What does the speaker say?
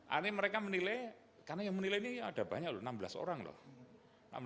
ini mereka menilai karena yang menilai ini ada banyak lho enam belas orang lho